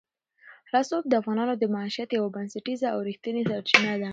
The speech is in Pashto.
رسوب د افغانانو د معیشت یوه بنسټیزه او رښتینې سرچینه ده.